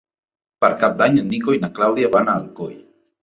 Per Cap d'Any en Nico i na Clàudia van a Alcoi.